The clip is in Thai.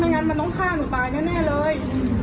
ไม่งั้นมันต้องฆ่าหนูไปแน่เลย